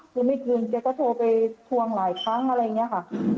คือไม่คืนแกก็โทรไปทวงหลายครั้งอะไรอย่างนี้ค่ะ